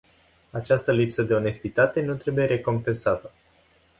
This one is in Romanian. Această lipsă de onestitate nu trebuie recompensată.